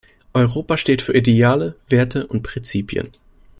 Europa steht für Ideale, Werte und Prinzipien.